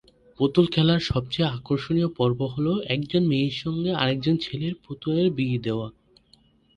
পুতুল খেলার সবচেয়ে আকর্ষণীয় পর্ব হলো একজনের মেয়ের সঙ্গে আরেক জনের ছেলে পুতুলের বিয়ে দেওয়া।